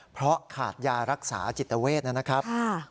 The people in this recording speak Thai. เพราะขาดยารักษาจิตเวทนะครับ